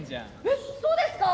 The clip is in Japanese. えっそうですか？